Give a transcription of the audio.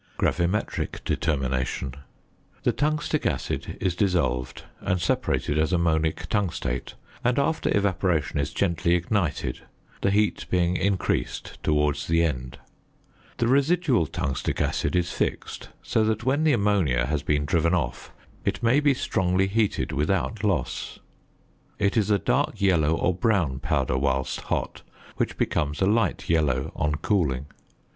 GRAVIMETRIC DETERMINATION. The tungstic acid is dissolved, and separated as ammonic tungstate, and, after evaporation, is gently ignited, the heat being increased towards the end. The residual tungstic acid is fixed, so that when the ammonia has been driven off it may be strongly heated without loss. It is a dark yellow or brown powder whilst hot, which becomes a light yellow on cooling.